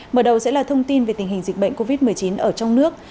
mở đầu sẽ là thông tin về tình hình dịch bệnh covid một mươi chín ở trong nước